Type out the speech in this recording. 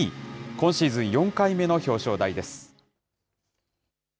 今シーズン、４回目の表彰台です。